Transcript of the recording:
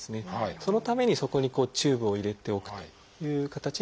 そのためにそこにチューブを入れておくという形になりますね。